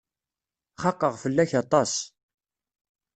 Xaqeɣ fell-ak aṭas.